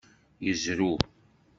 Yezrew.